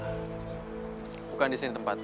hai bukan disini tempatnya